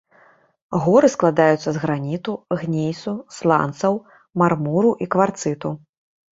Горы складаюцца з граніту, гнейсу, сланцаў, мармуру і кварцыту.